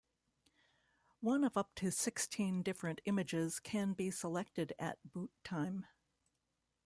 One of up to sixteen different images can be selected at boot time.